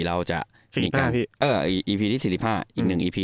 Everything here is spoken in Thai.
เราจะสี่สี่ห้าเอออีอีอีพีที่สี่สี่ห้าอีกหนึ่งอีพี